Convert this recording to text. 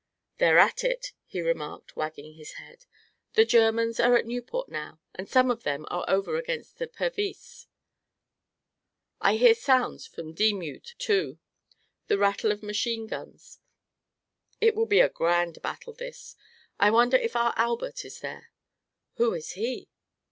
"They're at it," he remarked, wagging his head. "The Germans are at Nieuport, now, and some of them are over against Pervyse. I hear sounds from Dixmude, too; the rattle of machine guns. It will be a grand battle, this! I wonder if our Albert is there." "Who is he?"